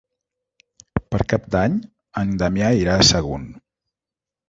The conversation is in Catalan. Per Cap d'Any en Damià irà a Sagunt.